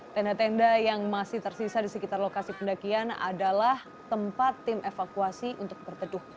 tenda tenda yang masih tersisa di sekitar lokasi pendakian adalah tempat tim evakuasi untuk berteduh